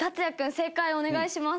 正解をお願いします。